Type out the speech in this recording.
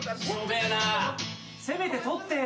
・せめてとってよ。